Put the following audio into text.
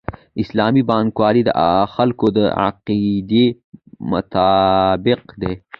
اسلامي بانکوالي د خلکو د عقیدې مطابق ده.